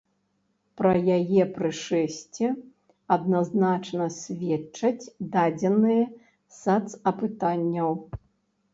Пра яе прышэсце адназначна сведчаць дадзеныя сацапытанняў.